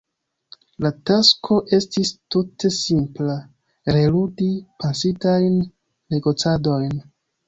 La tasko estis tute simpla: reludi pasintajn negocadojn.